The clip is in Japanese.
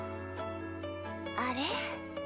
あれ？